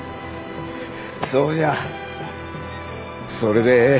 そうじゃそれでええ！